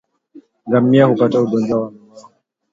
Ngamia hupata ugonjwa wa minyoo